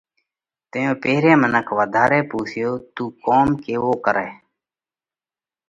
تئيون پيرهين منک وڌارئہ پُونسيو: تُون ڪوم ڪيوو ڪرئه؟